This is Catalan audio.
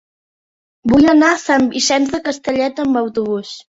Vull anar a Sant Vicenç de Castellet amb autobús.